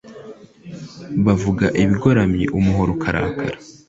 bavuga ibigoramye umuhoro ukarakara